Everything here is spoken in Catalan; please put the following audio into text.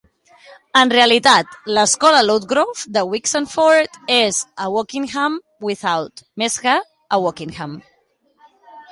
En realitat, l'escola Ludgrove de Wixenford és a Wokingham Without, més que a Wokingham.